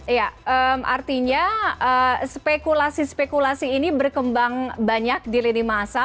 iya artinya spekulasi spekulasi ini berkembang banyak di lini masa